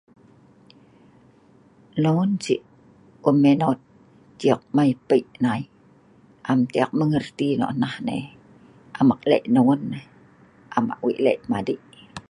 non sik um meinot cik mei pei ngai am teh ek mengerti nok nah nen, am ek lek non nah, am ek weik lek madik